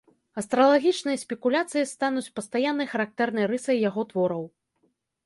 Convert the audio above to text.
Астралагічныя спекуляцыі стануць пастаяннай характэрнай рысай яго твораў.